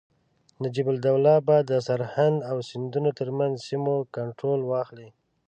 نجیب الدوله به د سرهند او سیندونو ترمنځ سیمو کنټرول واخلي.